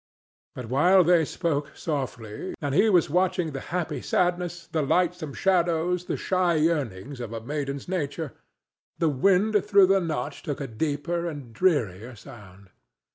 But while they spoke softly, and he was watching the happy sadness, the lightsome shadows, the shy yearnings, of a maiden's nature, the wind through the Notch took a deeper and drearier sound.